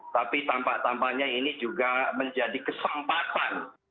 tapi tampak tampaknya ini juga menjadi kesempatan